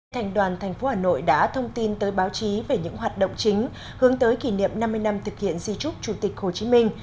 thành đoàn thành phố hà nội đã thông tin tới báo chí về những hoạt động chính hướng tới kỷ niệm năm mươi năm thực hiện di trúc chủ tịch hồ chí minh